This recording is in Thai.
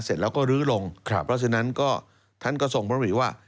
เสร็จเราก็รื้อลงเพราะฉะนั้นท่านกระทรงพระมริว่า